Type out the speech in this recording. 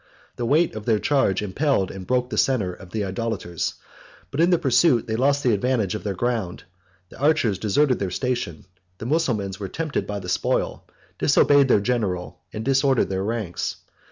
The weight of their charge impelled and broke the centre of the idolaters: but in the pursuit they lost the advantage of their ground: the archers deserted their station: the Mussulmans were tempted by the spoil, disobeyed their general, and disordered their ranks.